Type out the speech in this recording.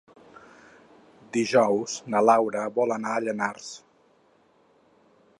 Dijous na Laura vol anar a Llanars.